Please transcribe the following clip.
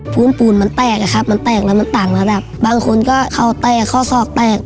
ปูนมันแตกอะครับมันแตกแล้วมันต่างมาแบบบางคนก็เข้าแตกข้อศอกแตก